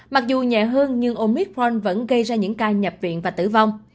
mặc dù nhẹ hơn nhưng omicron vẫn gây ra những ca nhập viện và tử vong